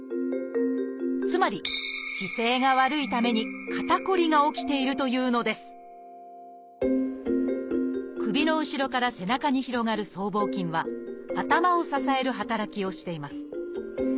つまり姿勢が悪いために肩こりが起きているというのです首の後ろから背中に広がる僧帽筋は頭を支える働きをしています。